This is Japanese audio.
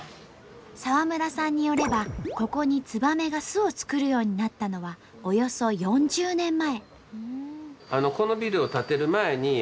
澤村さんによればここにツバメが巣を作るようになったのはおよそ４０年前。